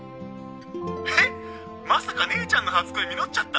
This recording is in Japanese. えっまさか姉ちゃんの初恋実っちゃった？